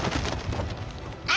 あ！